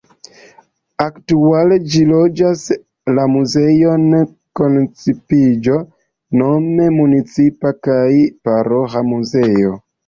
Aktuale ĝi loĝigas la Muzeon Koncipiĝo, nome municipa kaj paroĥa muzeo.